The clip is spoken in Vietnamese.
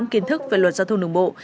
kiến thức về luật giao thông đường bộ